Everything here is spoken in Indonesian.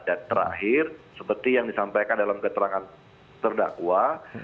dan terakhir seperti yang disampaikan dalam keterangan terdakwa